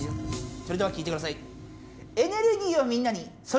それではきいてください。